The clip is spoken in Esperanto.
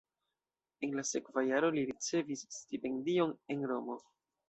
En la sekva jaro li ricevis stipendion en Romo.